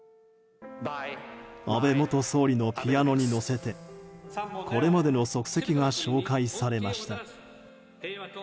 安倍元総理のピアノに乗せてこれまでの足跡が紹介されました。